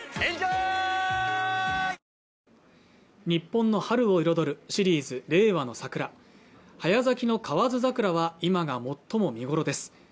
日本の春を彩るシリーズ「令和の桜」早咲きの河津桜は今が最も見頃です